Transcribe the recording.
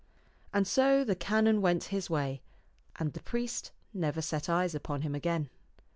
And so the canon went his way, and the priest never set eyes upon him again.